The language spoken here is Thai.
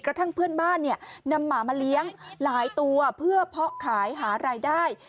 กระทั่งเพื่อนบ้านเนี่ยนำหมามาเลี้ยงหลายตัวเพื่อเพาะขายหารายได้